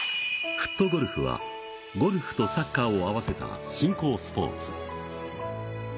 フットゴルフは、ゴルフとサッカーを合わせた新興スポーツ。